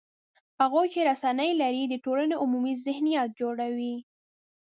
هغوی چې رسنۍ یې لري، د ټولنې عمومي ذهنیت جوړوي